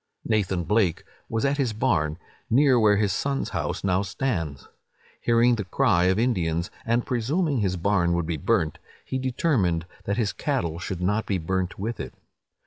Nathan Blake was at his barn, near where his son's house now stands. Hearing the cry of Indians, and presuming his barn would be burnt, he determined that his cattle should not be burnt with it.